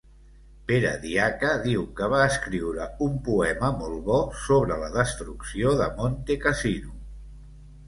Pere Diaca diu que va escriure un poema molt bo sobre la destrucció de Montecassino.